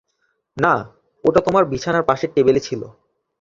না, ওটা তোমার বিছানার পাশের টেবিলে ছিল।